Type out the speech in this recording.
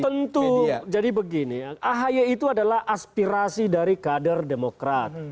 tentu jadi begini ahi itu adalah aspirasi dari kader demokrat